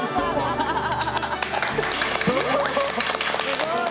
すごい！